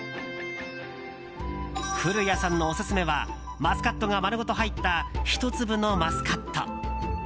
古谷さんのオススメはマスカットが丸ごと入ったひとつぶのマスカット。